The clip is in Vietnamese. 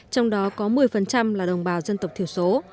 trong đó có một mươi là đồng bào dân tộc thiểu số